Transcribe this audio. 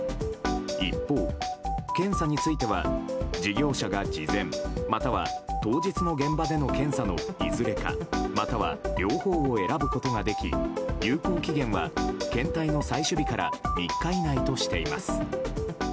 一方、検査については事業者が事前または当日の現場での検査のいずれかまたは両方を選ぶことができ有効期限は検体の採取日から３日以内としています。